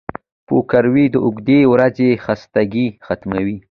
پکورې د اوږدې ورځې خستګي ختموي